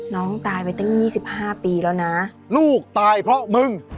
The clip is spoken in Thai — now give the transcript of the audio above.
น้องตายไปตั้งยี่สิบห้าปีแล้วนะลูกตายเพราะมึง